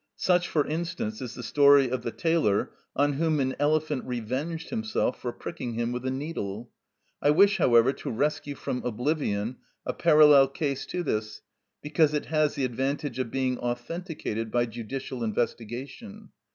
Such, for instance, is the story of the tailor on whom an elephant revenged himself for pricking him with a needle. I wish, however, to rescue from oblivion a parallel case to this, because it has the advantage of being authenticated by judicial investigation.